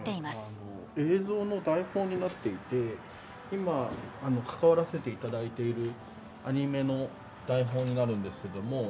映像の台本になっていて今関わらせていただいているアニメの台本になるんですけども。